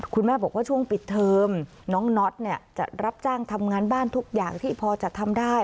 คุณแม่บอกว่าช่วงปิดเทอมน้องน็อตเนี่ยจะรับจ้างทำงานบ้านทุกอย่างที่พอจะทำได้